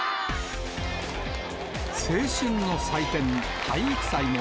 青春の祭典、体育祭も、